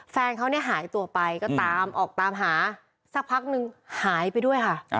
แฟนเขาเนี่ยหายตัวไปก็ตามออกตามหาสักพักนึงหายไปด้วยค่ะ